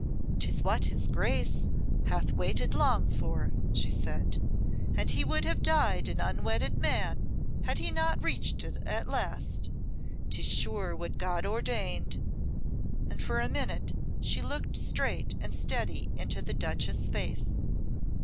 "'Tis what his Grace hath waited long for," she said, "and he would have died an unwedded man had he not reached it at last. 'Tis sure what God ordained." And for a minute she looked straight and steady into the Duchess's face.